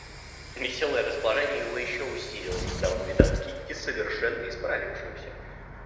Веселое расположение его еще усилилось, когда он увидал Кити совершенно исправившуюся.